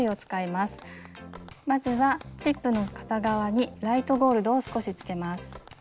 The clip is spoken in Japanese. まずはチップの片側にライトゴールドを少しつけます。